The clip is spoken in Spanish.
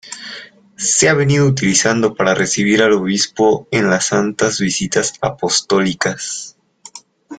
Se ha venido utilizando para recibir al obispo en las Santas Visitas Apostólicas.